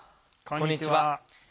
こんにちは。